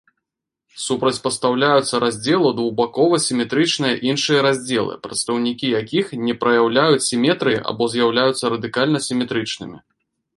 Супрацьпастаўляюцца раздзелу двухбакова-сіметрычных іншыя раздзелы, прадстаўнікі якіх не праяўляюць сіметрыі або з'яўляюцца радыяльна-сіметрычнымі.